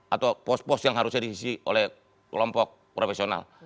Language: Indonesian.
atau pos pos yang harusnya diisi oleh kelompok profesional